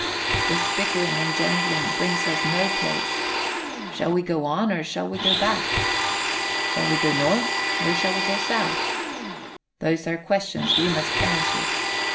"This bickering and jangling brings us no place. Shall we go on or shall we go back? Shall we go north or shall we go south? Those are questions we must answer.